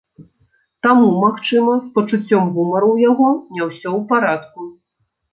Таму, магчыма, з пачуццём гумару ў яго не ўсё ў парадку.